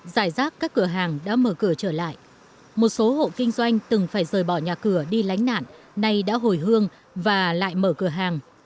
giải rác các cửa hàng đã mở cửa trở lại một số hộ kinh doanh từng phải rời bỏ nhà cửa đi lánh nạn nay đã hồi hương và lại mở cửa hàng